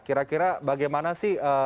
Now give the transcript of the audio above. kira kira bagaimana sih